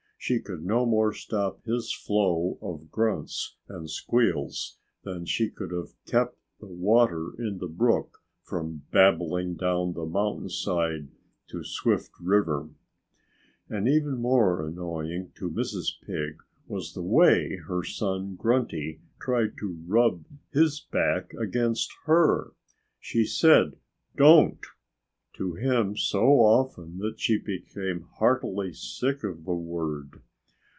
She could no more stop his flow of grunts and squeals than she could have kept the water in the brook from babbling down the mountainside to Swift River. And even more annoying to Mrs. Pig was the way her son Grunty tried to rub his back against her. She said "Don't!" to him so often that she became heartily sick of the word.